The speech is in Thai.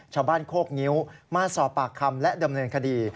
โคกงิ้วมาสอบปากคำและดำเนินคดี